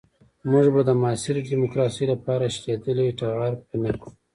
موږ به د معاصرې ديموکراسۍ لپاره شلېدلی ټغر پينه کړو.